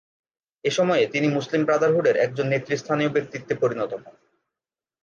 এ সময়ে তিনি মুসলিম ব্রাদারহুডের একজন নেতৃস্থানীয় ব্যক্তিত্বে পরিণত হন।